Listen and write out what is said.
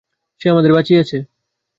সে আমাদের বাঁচিয়েছে।